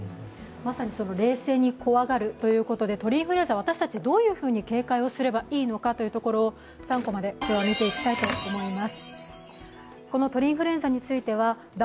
まさに冷静に怖がるというところで鳥インフルエンザは私たちどういうふうに警戒すればいいのか、３コマで見ていきたいと思います。